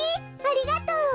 ありがとう！